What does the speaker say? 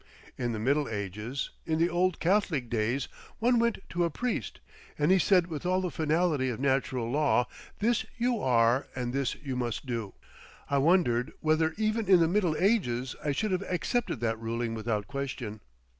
In the Middle Ages, in the old Catholic days, one went to a priest, and he said with all the finality of natural law, this you are and this you must do. I wondered whether even in the Middle Ages I should have accepted that ruling without question.